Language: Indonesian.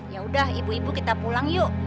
yaudah ibu ibu kita pulang yuk